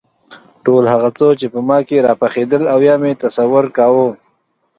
ټول هغه څه چې په ما کې راپخېدل او یا مې تصور کاوه.